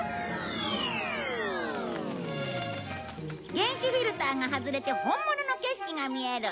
幻視フィルターが外れて本物の景色が見える。